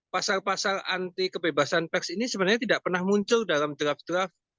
pasal pasal anti kebebasan pers ini sebenarnya tidak pernah muncul dalam draft draft